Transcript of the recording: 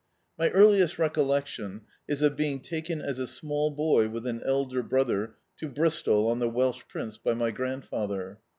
My earliest recollection is of being taken as a small boy with an elder brother to Bristol on the Welsh Prince by my grandfather.